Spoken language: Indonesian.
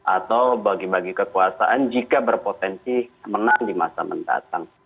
atau bagi bagi kekuasaan jika berpotensi menang di masa mendatang